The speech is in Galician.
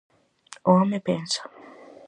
O home pensa.